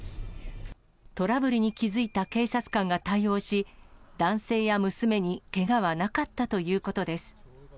トラブルに気付いた警察官が対応し、男性や娘にけがはなかったということです。